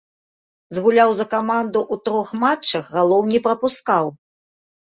Згуляў за каманду ў трох матчах, галоў не прапускаў.